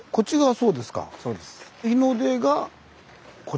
そうです。